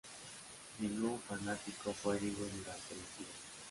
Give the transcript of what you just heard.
Ningún fanático fue herido durante el incidente.